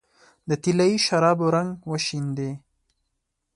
د طلايي شرابو رنګ وشیندې